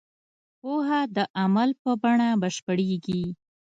پوهه د عمل په بڼه بشپړېږي.